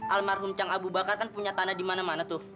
almarhum cang abu bakar kan punya tanah di mana mana tuh